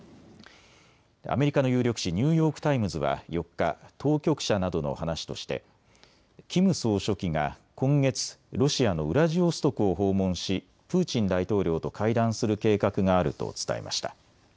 アメリカの有力紙、ニューヨーク・タイムズは４日、当局者などの話としてキム総書記が今月、ロシアのウラジオストクを訪問しプーチン大統領と会談する計画があると伝えました。